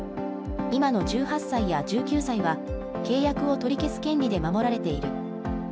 今の１８歳や１９歳は契約を取り消す権利で守られている。